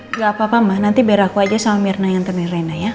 nggak apa apa mah nanti biar aku aja sama mirna yang nganterin rena ya